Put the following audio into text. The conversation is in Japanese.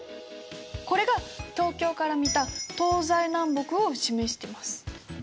これが東京から見た東西南北を示してます。